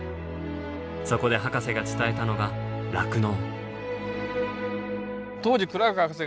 そこで博士が伝えたのが酪農。